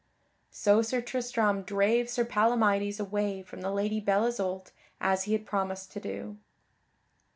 So Sir Tristram drave Sir Palamydes away from the Lady Belle Isoult as he had promised to do.